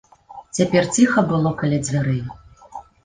Цяпер ціха было каля дзвярэй.